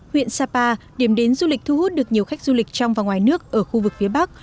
huyện sapa điểm đến du lịch thu hút được nhiều khách du lịch trong và ngoài nước ở khu vực phía bắc